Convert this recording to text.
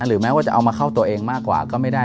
แม้ว่าจะเอามาเข้าตัวเองมากกว่าก็ไม่ได้